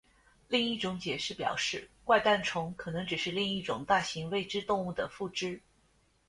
另一种解释表示怪诞虫可能只是另一种大型未知动物的附肢。